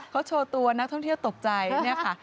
เขาโชว์ตัวนักท่องเที่ยวตกใจเนี่ยค่ะ